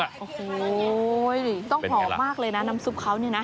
โอ้โหต้องหอมมากเลยนะน้ำซุปเขาเนี่ยนะ